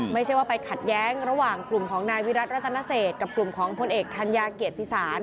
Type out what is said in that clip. ไม่ใช่ว่าไปขัดแย้งระหว่างกลุ่มของนายวิรัติรัตนเศษกับกลุ่มของพลเอกธัญญาเกียรติศาล